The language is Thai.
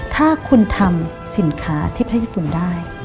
ถ้าคุณทำสินค้าที่พระญี่ปุ่นได้